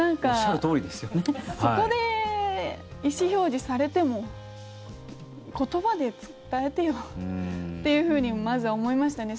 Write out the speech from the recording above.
そこで意思表示されても言葉で伝えてよっていうふうにまずは思いましたね。